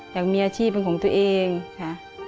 อยากมีอาชีพเป็นของตัวเองค่ะ